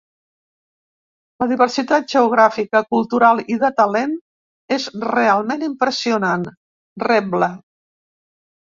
“La diversitat geogràfica, cultural i de talent és realment impressionant”, rebla.